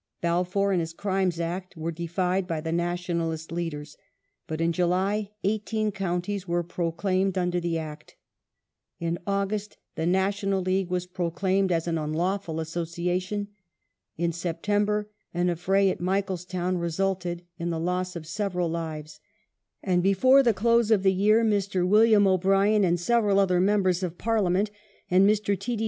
Balfour and his Crimes Act were defied by the Nationalist leaders ; but in July eighteen counties were proclaimed under the Act, in August the National League was proclaimed as an unlawful association, in September an affray at Michelstown resulted in the loss of several lives, and before the close of the year Mr. William O'Brien, and several other membere of Parliament, and Mr. T. D.